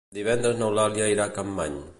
Divendres n'Eulàlia irà a Capmany.